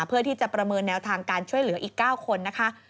เพื่อที่จะประเมินแนวทางการช่วยเหลืออีก๙คนนะคะ